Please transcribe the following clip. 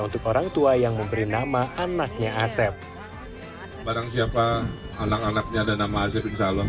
untuk orangtua yang memberi nama anaknya asep barangsiapa anak anaknya dan nama asep insyaallah